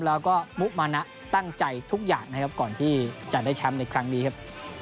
แล้วก็มุมานะตั้งใจทุกอย่างนะครับก่อนที่จะได้แชมป์ในครั้งนี้ครับ